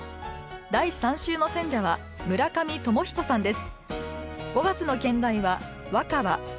第３週の選者は村上鞆彦さんです。